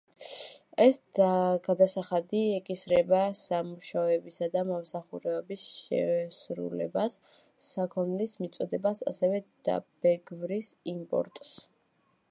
ეს გადასახადი ეკისრება სამუშაოებისა და მომსახურების შესრულებას, საქონლის მიწოდებას, ასევე დაბეგვრის იმპორტს.